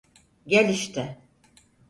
Gel işte.